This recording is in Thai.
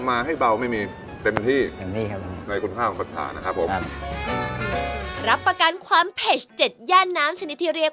ใช่ครับอันนี้จัดจ้านแบบไทย